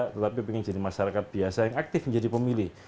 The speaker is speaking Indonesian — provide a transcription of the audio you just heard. tetapi pengen jadi masyarakat biasa yang aktif menjadi pemilih